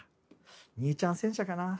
「にいちゃん戦車」かな。